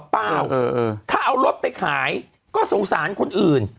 เปล่าถ้าเอารถไปขายก็สงสารคนอื่น